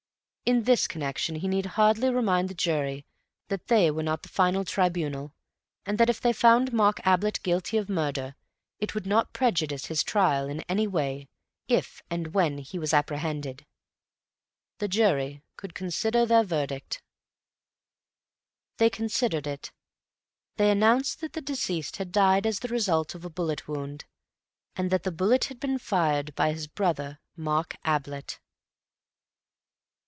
In this connection he need hardly remind the jury that they were not the final tribunal, and that if they found Mark Ablett guilty of murder it would not prejudice his trial in any way if and when he was apprehended.... The jury could consider their verdict. They considered it. They announced that the deceased had died as the result of a bullet wound, and that the bullet had been fired by his brother Mark Ablett.